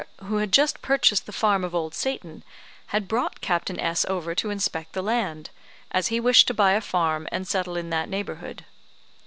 , who had purchased the farm of Old Satan, had brought Captain S over to inspect the land, as he wished to buy a farm, and settle in that neighbourhood.